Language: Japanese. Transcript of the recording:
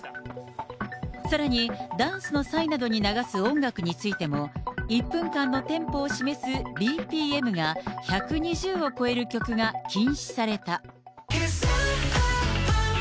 さらに、ダンスの際などに流す音楽についても、１分間のテンポを示すＢＰＭが、１２０を超える曲が禁止された。